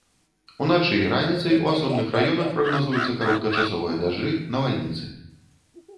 Уначы і раніцай у асобных раёнах прагназуюцца кароткачасовыя дажджы, навальніцы.